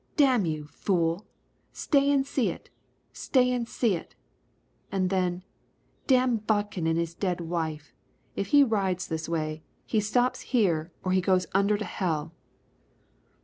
"Damn you, fool! Stay an' see it. Stay an' see it." And then, "Damn Bodkin an' his dead wife! If he rides this way, he stops here or he goes under to hell."